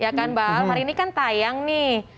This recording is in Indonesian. ya kan bal hari ini kan tayang nih